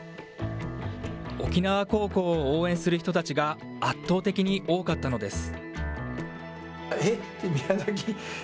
沖縄高校を応援する人たちが、圧倒的に多かったのです。